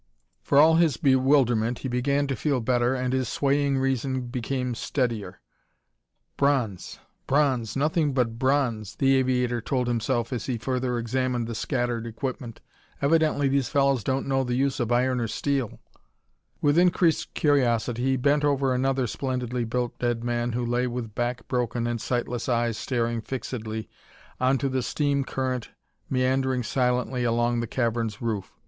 For all his bewilderment he began to feel better and his swaying reason became steadier. "Bronze, bronze nothing but bronze," the aviator told himself as he further examined the scattered equipment. "Evidently these fellows don't know the use of iron or steel." With increased curiosity he bent over another splendidly built dead man who lay with back broken and sightless eyes staring fixedly onto the steam current meandering silently along the cavern's roof.